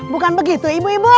bukan begitu ibu ibu